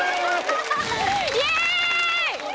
イエーイ！